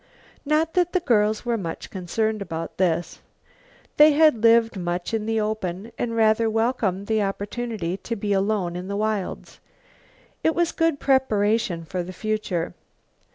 Not that the girls were much concerned about this; they had lived much in the open and rather welcomed the opportunity to be alone in the wilds. It was good preparation for the future.